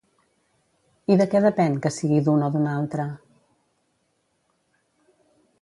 I de què depèn que sigui d'un o d'un altre?